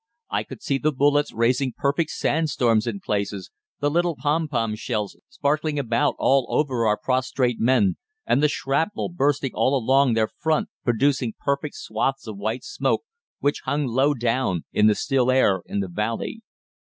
I could see the bullets raising perfect sand storms in places, the little pom pom shells sparkling about all over our prostrate men, and the shrapnel bursting all along their front, producing perfect swathes of white smoke, which hung low down in the still air in the valley.